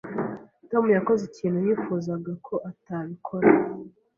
Tom yakoze ikintu yifuzaga ko atabikora.